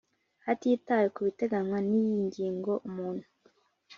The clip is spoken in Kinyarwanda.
Hatitawe ku biteganywa n iyi ngingo umuntu